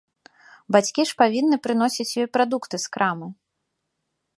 Бацькі ж павінны прыносіць ёй прадукты з крамы.